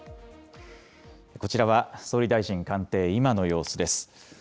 こちらは総理大臣官邸、今の様子です。